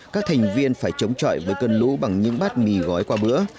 các thành viên phải chống chọi với cơn lũ bằng những bát mì gói qua bữa